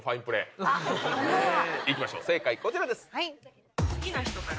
いきましょう正解こちらです。